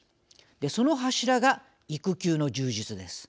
その柱が育休の充実です。